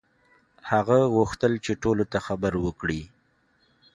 هغه غوښتل چې ټولو ته خبر وکړي.